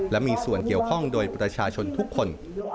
และมีส่วนเกี่ยวข้องโดยประชาชนทุกคน